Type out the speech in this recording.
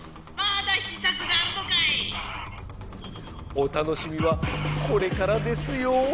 お楽しみはこれからですよ！